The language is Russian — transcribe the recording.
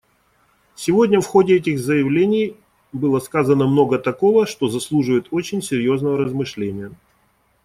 Сегодня в ходе этих заявлений было сказано много такого, что заслуживает очень серьезного размышления.